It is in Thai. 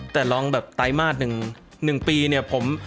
แต่ลองแบบไตรมาส๑ปีเนี่ย